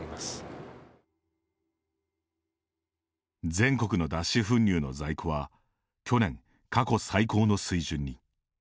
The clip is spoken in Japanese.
全国の脱脂粉乳の在庫は去年、過去最高の水準に。